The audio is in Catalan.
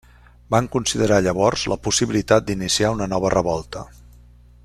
Van considerar llavors la possibilitat d'iniciar una nova revolta.